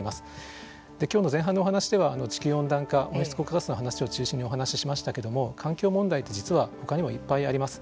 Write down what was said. で今日の前半のお話では地球温暖化温室効果ガスの話を中心にお話ししましたけども環境問題って実はほかにもいっぱいあります。